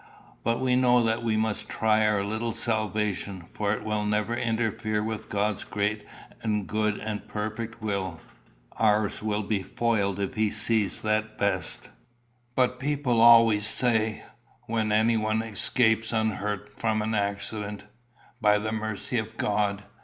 But we know that we must try our little salvation, for it will never interfere with God's great and good and perfect will. Ours will be foiled if he sees that best." "But people always say, when anyone escapes unhurt from an accident, 'by the mercy of God.